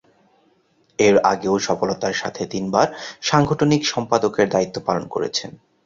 এর আগেও সফলতার সাথে তিনবার সাংগঠনিক সম্পাদকের দায়িত্ব পালন করেছেন।